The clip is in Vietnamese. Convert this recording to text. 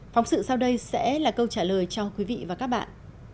phóng sự sau đây sẽ là câu trả lời cho quý vị và các bạn